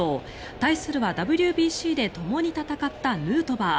対するのはＷＢＣでともに戦ったヌートバー。